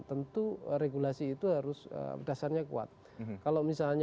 tentu regulasi itu akan diperlukan dan diperlukan juga untuk pemerintahan nasional dan negara lainnya